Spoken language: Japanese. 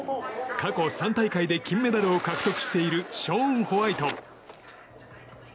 過去３大会で金メダルを獲得しているショーン・ホワイト。